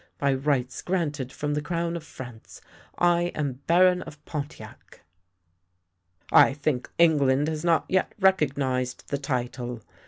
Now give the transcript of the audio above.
By rights granted from the crown of France, I am Baron of Pon tiac." " I think England has not yet recognised the title!